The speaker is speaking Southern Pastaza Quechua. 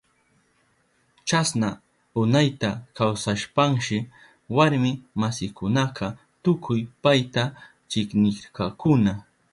Chasna unayta kawsashpanshi warmi masinkunaka tukuy payta chiknirkakuna.